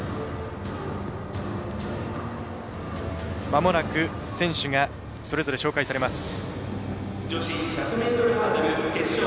まもなく選手がそれぞれ紹介されます。